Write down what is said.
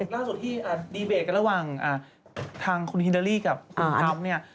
อย่างล่าส่วนที่ดีเบตกันระหว่างทางคุณฮินดาลีกับคุณคอมเนี่ย